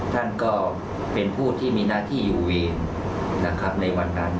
ท่านก็เป็นผู้ที่มีหน้าที่อยู่เองนะครับในวันนั้น